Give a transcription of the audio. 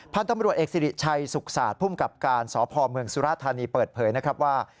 พันธุ์ตำรวจเอกสิริชัยสุขศาสตร์ภูมิกับการสพเมืองสุราธานีเปิดเผยนะครับว่า